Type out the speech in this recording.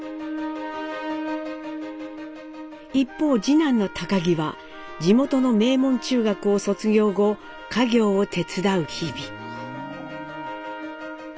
一方次男の儀は地元の名門中学を卒業後家業を手伝う日々。